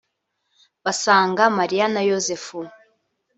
basanga Mariya na Yozefu